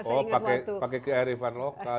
oh pakai kearifan lokal